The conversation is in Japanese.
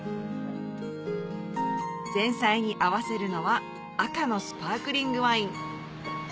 前菜に合わせるのは赤のスパークリングワイン